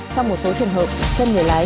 trong một số trường hợp chân người lái